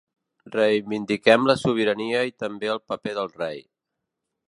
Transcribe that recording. Reivindiquem la sobirania i també el paper del rei.